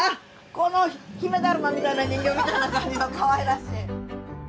この姫だるまみたいな人形みたいな感じのかわいらしい。